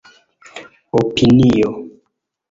opinio